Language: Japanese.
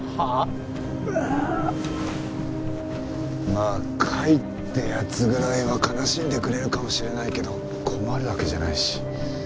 まあ甲斐って奴ぐらいは悲しんでくれるかもしれないけど困るわけじゃないし。